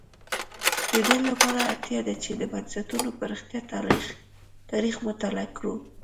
د دې لپاره اړتیا ده چې د بنسټونو پراختیا تاریخ مطالعه کړو.